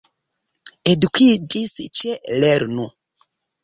Edukiĝis ĉe lernu!